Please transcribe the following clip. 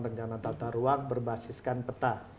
rencana tata ruang berbasiskan peta